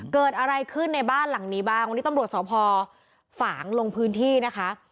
เกิดอะไรขึ้นในบ้านหลังนี้บ้างวันนี้ตำรวจสพฝางลงพื้นที่นะคะ